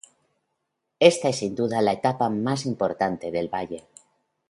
Esta es sin duda la etapa más importante del Valle.